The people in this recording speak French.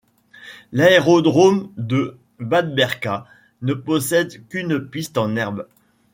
L'aérodrome de Bad Berka ne possède qu'une piste en herbe.